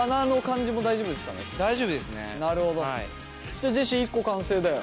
じゃあジェシー１個完成だよ。